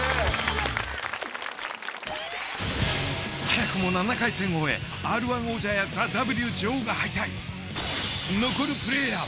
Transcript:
早くも７回戦を終えＲ−１王者や「ＴＨＥＷ」女王が敗退。